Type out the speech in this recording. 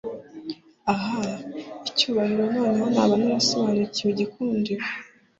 ah! icyubahiro, noneho, naba narasobanukiwe igikundiro !!